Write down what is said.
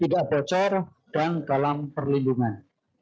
tidak bocor dan dalam perlindungan